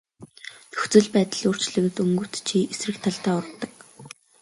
Нөхцөл байдал өөрчлөгдөнгүүт чи эсрэг талдаа урвадаг.